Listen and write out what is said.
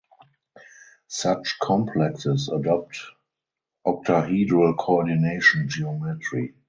Such complexes adopt octahedral coordination geometry.